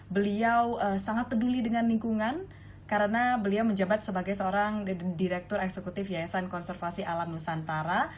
beliau sangat peduli dengan lingkungan karena beliau menjabat sebagai seorang direktur eksekutif yayasan konservasi alam nusantara